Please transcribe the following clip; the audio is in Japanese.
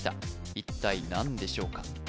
一体何でしょうか？